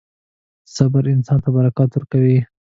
• صبر انسان ته برکت ورکوي.